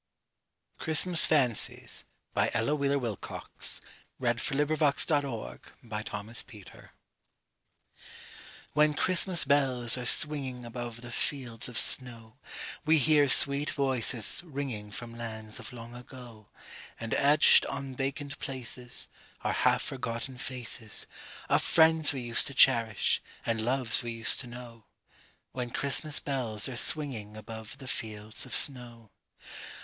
o, thou shalt hear it, And all God's joys shall be at thy command. CHRISTMAS FANCIES When Christmas bells are swinging above the fields of snow, We hear sweet voices ringing from lands of long ago, And etched on vacant places Are half forgotten faces Of friends we used to cherish, and loves we used to know— When Christmas bells are swinging above the fields of snow.